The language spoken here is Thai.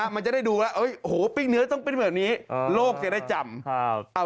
มันจะได้ดูปิ้งเนื้อต้องเป็นเรื่องนี้โลกจะได้จำ